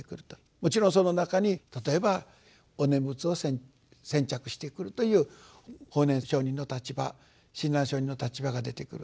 もちろんその中に例えばお念仏を選択してくるという法然上人の立場親鸞聖人の立場が出てくる。